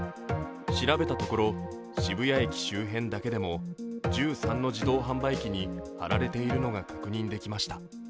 調べたところ渋谷駅周辺だけでも１３の自動販売機に貼られているのが確認できました。